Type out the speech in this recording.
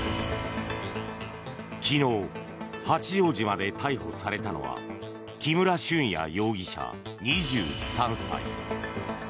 昨日、八丈島で逮捕されたのは木村俊哉容疑者、２３歳。